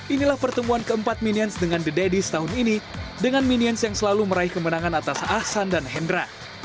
inilah pertemuan keempat minions dengan the daddies tahun ini dengan minions yang selalu meraih kemenangan atas ahsan dan hendra